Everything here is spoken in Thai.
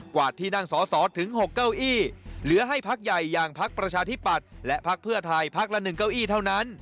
วาดที่นั่งสอสอถึง๖เก้าอี้เหลือให้พักใหญ่อย่างพักประชาธิปัตย์และพักเพื่อไทยพักละ๑เก้าอี้เท่านั้น